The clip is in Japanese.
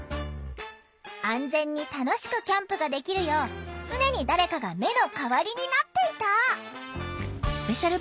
安全に楽しくキャンプができるよう常に誰かが目の代わりになっていた。